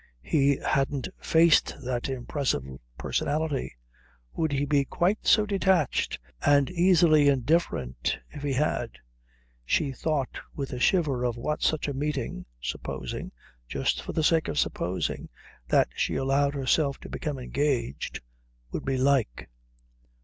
He hadn't faced that impressive personality. Would he be quite so detached and easily indifferent if he had? She thought with a shiver of what such a meeting, supposing, just for the sake of supposing, that she allowed herself to become engaged, would be like.